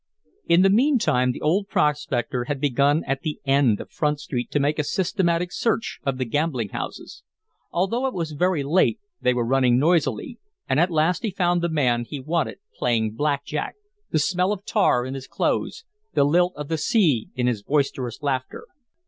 In the mean time the old prospector had begun at the end of Front Street to make a systematic search of the gambling houses. Although it was very late they were running noisily, and at last he found the man he wanted playing "Black Jack," the smell of tar in his clothes, the lilt of the sea in his boisterous laughter.